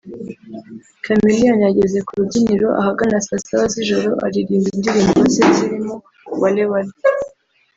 Chameleone yageze ku rubyiniro ahagana saa saba z’ijoro aririmba indirimbo ze zirimo “Wale Wale”